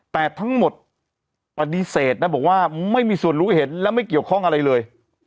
แต่ทั้งหมดปฏิเสธนะบอกว่าไม่มีส่วนรู้เห็นและไม่เกี่ยวข้องอะไรเลย